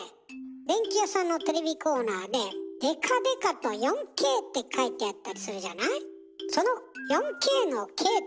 電器屋さんのテレビコーナーででかでかと「４Ｋ」って書いてあったりするじゃない？